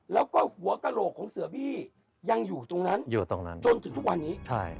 แล้วก็หัวกระโหลกของเสือบี้ยังอยู่ตรงนั้นจนถึงทุกวันนี้